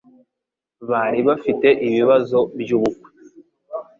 Bari bafite ibibazo byubukwe.